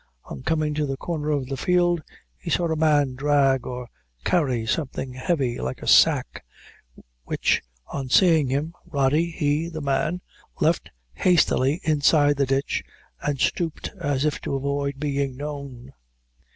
On coming to the corner of the field, he saw a man drag or carry something heavy like a sack, which, on seeing him, Rody, he (the man,) left hastily inside the ditch, and stooped, as if to avoid being known.